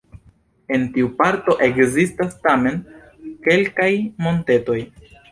En tiu parto ekzistas tamen kelkaj montetoj.